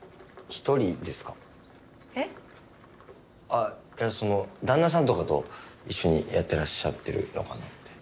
あっいやあその旦那さんとかと一緒にやってらっしゃってるのかなって。